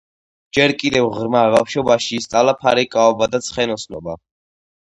ჯერ კიდევ ღრმა ბავშვობაში ისწავლა ფარიკაობა და ცხენოსნობა.